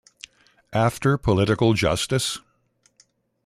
After Political Justice?